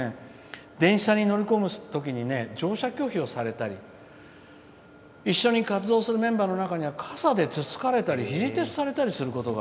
「電車に乗りこむときに乗車拒否をされたり一緒に活動するメンバーの中には傘でつつかれたり肘鉄されたりすることが」。